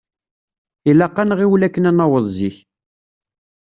Ilaq ad nɣiwel akken ad naweḍ zik.